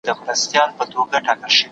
که چای ګرم وي نو ستړیا نه پاتیږي.